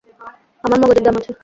আমার মগজের দাম আছে।